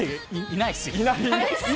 いない？